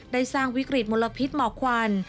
ได้สร้างวิกฤตมลพิษหมอกควัน